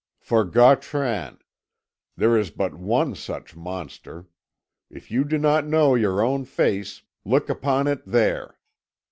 "For Gautran. There is but one such monster. If you do not know your own face, look upon it there."